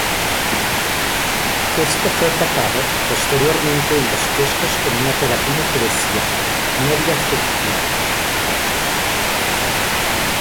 Esto fue tapado posteriormente en los quioscos con una pegatina que decía: "Novia fugitiva".